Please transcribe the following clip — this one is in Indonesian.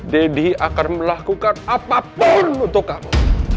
deddy akan melakukan apapun untuk kamu